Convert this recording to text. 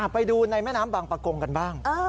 ไปดูในแม่น้ำบางประกงกันบ้าง